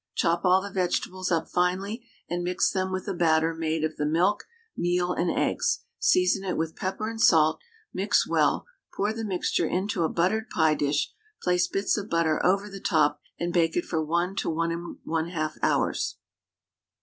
Chop all the vegetables up finely, and mix them with a batter made of the milk, meal, and eggs; season it with pepper and salt; mix well; pour the mixture into a buttered pie dish, place bits of butter over the top, and bake it for 1 1/2 hours.